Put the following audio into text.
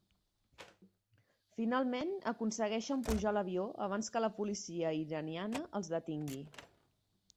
Finalment aconsegueixen pujar a l'avió abans que la policia iraniana els detingui.